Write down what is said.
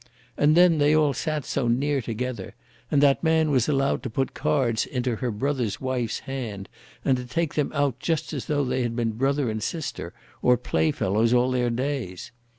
And then they all sat so near together, and that man was allowed to put cards into her brother's wife's hand and to take them out just as though they had been brother and sister, or playfellows all their days.